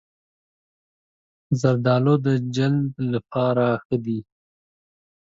زردالو د جلد لپاره ښه دی.